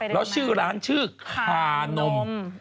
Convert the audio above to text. แล้วชื่อร้านชื่อคานม